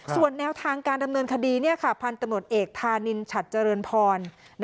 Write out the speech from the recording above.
ส่วนแนวทางการดำเนินคดีพันธุ์ตำรวจเอกธานินฉัดเจริญพร